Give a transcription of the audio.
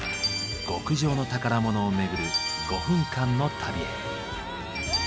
極上の宝物をめぐる５分間の旅へ。